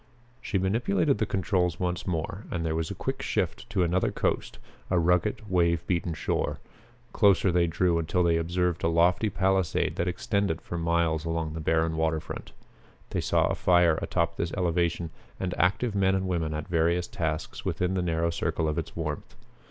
She manipulated the controls once more and there was a quick shift to another coast, a rugged, wave beaten shore. Closer they drew until they observed a lofty palisade that extended for miles along the barren waterfront. They saw a fire atop this elevation and active men and women at various tasks within the narrow circle of its warmth.